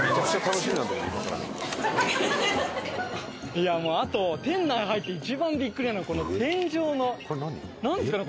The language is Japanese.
いやもうあと店内入って一番ビックリなのがこの天井のなんですかね？